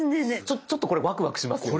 ちょっとこれワクワクしますよね！